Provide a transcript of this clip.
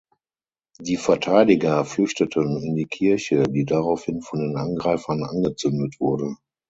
Die Verteidiger flüchteten in die Kirche, die daraufhin von den Angreifern angezündet wurde.